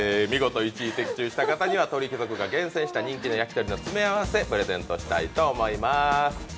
見事１位的中した方には鳥貴族が厳選した人気の焼き鳥詰め合わせプレゼントしたいと思います。